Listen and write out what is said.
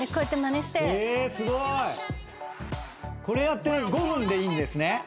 これ５分でいいんですね？